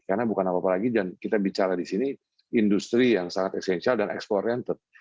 karena bukan apa apa lagi dan kita bicara di sini industri yang sangat esensial dan ekspor oriental